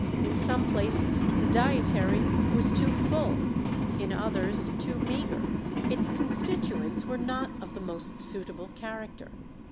In some places the dietary was too full, in others too meagre. Its constituents were not of the most suitable character.